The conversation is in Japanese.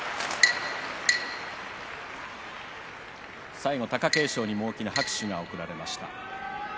最後、貴景勝にも大きな拍手が送られました。